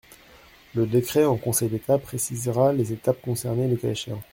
Le décret en Conseil d’État précisera les étapes concernées le cas échéant.